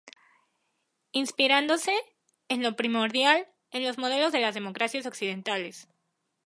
Inspirándose, en lo primordial, en los modelos de las democracias occidentales.